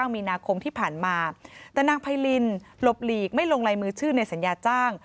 มีนาคมที่ผ่านมาแต่นางไพรินหลบหลีกไม่ลงลายมือชื่อในสัญญาจ้าง